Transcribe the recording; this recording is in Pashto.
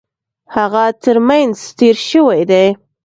هغه ترمېنځ تېر شوی دی.